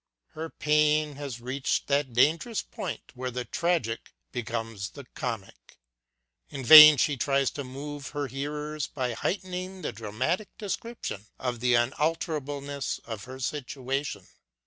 Her pain has reached that dangerous point where the tragic becomes the comic. In vain she tries to move her hearers by heightening the dramatic description of the unalterableness of her situation.